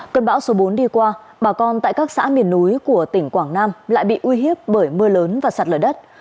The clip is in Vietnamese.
cơn bão số bốn đi qua bà con tại các xã miền núi của tỉnh quảng nam lại bị uy hiếp bởi mưa lớn và sạt lở đất